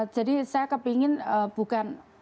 jadi saya kepengen bukan